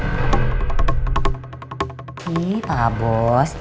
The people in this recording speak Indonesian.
eh pak bos